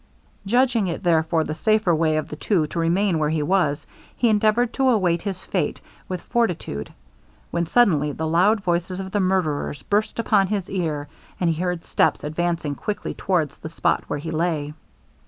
Judging it, therefore, the safer way of the two to remain where he was, he endeavoured to await his fate with fortitude, when suddenly the loud voices of the murderers burst upon his ear, and he heard steps advancing quickly towards the spot where he lay.